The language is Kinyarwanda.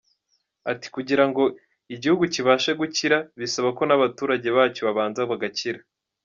Ati “Kugira ngo igihugu kibashe gukira bisaba ko n’abaturage bacyo babanza bagakira.